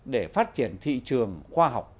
để phát triển thị trường khoa học